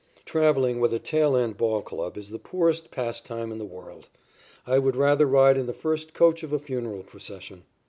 Travelling with a tail end ball club is the poorest pastime in the world. I would rather ride in the first coach of a funeral procession.